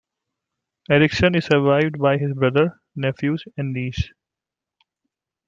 Erickson is survived by his brother, nephews, and niece.